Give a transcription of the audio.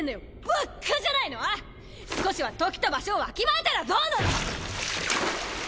バッカじゃないの⁉少しは時と場所をわきまえたらどうな。